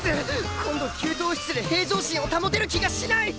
今度給湯室で平常心を保てる気がしない！